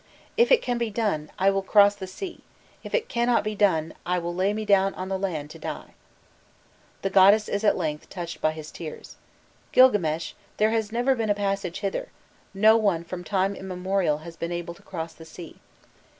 "If it can be done, I will cross the sea; if it cannot be done, I will lay me down on the land to die." The goddess is at length touched by his tears. "Gilgames, there has never been a passage hither, and no one from time immemorial has been able to cross the sea.